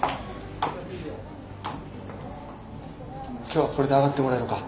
今日はこれで上がってもらえるか？